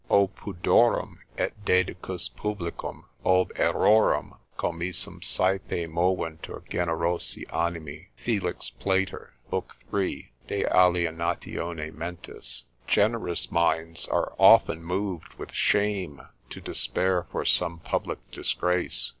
Ob pudorem et dedecus publicum, ob errorum commissum saepe moventur generosi animi (Felix Plater, lib. 3. de alienat mentis.) Generous minds are often moved with shame, to despair for some public disgrace.